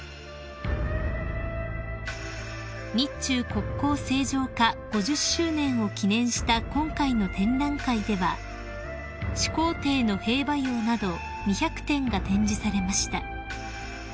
［日中国交正常化５０周年を記念した今回の展覧会では始皇帝の兵馬俑など２００点が展示されました］